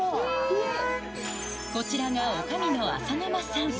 こちらがおかみの浅沼さん。